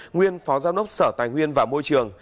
nguyên phó giám đốc sở tài nguyên và môi trường